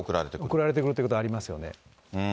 送られてくることはありますよね。